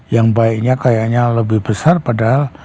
yang baiknya kayaknya lebih besar padahal